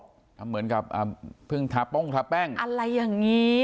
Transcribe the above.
ทำเหมือนกับเพิ่งทาป้องทาแป้งอะไรอย่างนี้